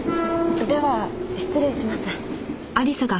では失礼します。